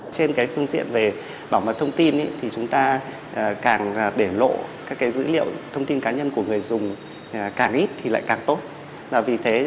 trên phương diện về bảo mật thông tin thì chúng ta càng để lộ các dữ liệu thông tin cá nhân của người dùng càng ít thì lại càng tốt